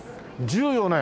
１４年！